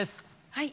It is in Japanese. はい。